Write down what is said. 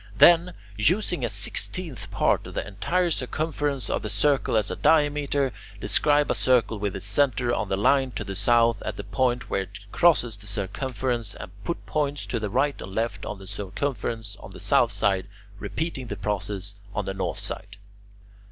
Then, using a sixteenth part of the entire circumference of the circle as a diameter, describe a circle with its centre on the line to the south, at the point where it crosses the circumference, and put points to the right and left on the circumference on the south side, repeating the process on the north side.